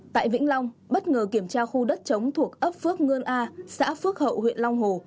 tại vĩnh long bất ngờ kiểm tra khu đất chống thuộc ấp phước ngân a xã phước hậu huyện long hồ